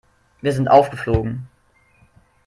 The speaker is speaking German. Wir sind aufgeflogen.